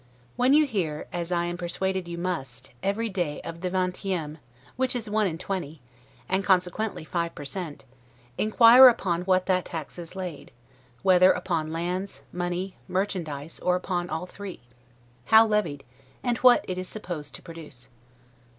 When you hear (as I am persuaded you must) every day of the 'Vingtieme', which is one in twenty, and consequently five per cent., inquire upon what that tax is laid, whether upon lands, money, merchandise, or upon all three; how levied, and what it is supposed to produce.